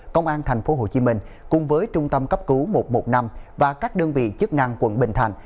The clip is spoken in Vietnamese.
công an tp hcm cùng với trung tâm cấp cứu một trăm một mươi năm và các đơn vị chức năng quận bình thạnh